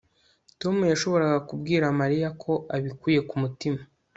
Tom yashoboraga kubwira Mariya ko abikuye ku mutima